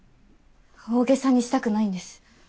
大げさにしたくないんです。